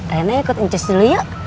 rena ikut inces dulu yuk